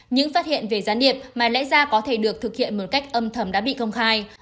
những phát hiện về gián điệp mà lẽ ra có thể được thực hiện một cách âm thầm đã bị công khai